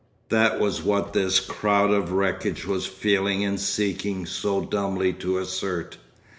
That was what this crowd of wreckage was feeling and seeking so dumbly to assert.